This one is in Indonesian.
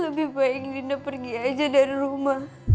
lebih baik dinda pergi aja dari rumah